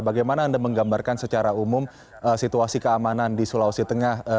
bagaimana anda menggambarkan secara umum situasi keamanan di sulawesi tengah